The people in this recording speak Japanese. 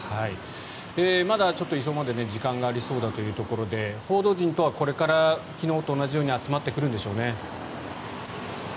まだ移送まで時間がありそうだということで報道陣等はこれから、昨日と同じように集まってくるんでしょうね。